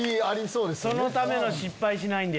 そのための「失敗しないんで」